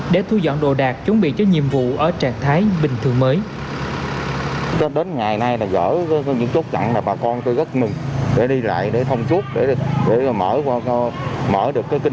để thu dọn đồ đạc chuẩn bị cho nhiệm vụ ở trạng thái bình thường mới